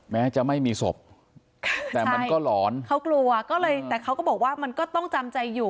แม้จะไม่มีศพแต่มันก็หลอนเขากลัวก็เลยแต่เขาก็บอกว่ามันก็ต้องจำใจอยู่